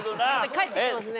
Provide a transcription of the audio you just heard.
返ってきますね。